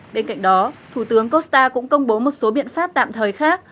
bên cạnh đó thủ tướng costa cũng công bố một số biện pháp tạm thời khác